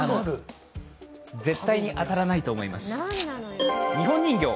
絶対に当たらないと思います。